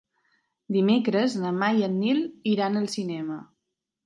Dimecres na Mar i en Nil iran al cinema.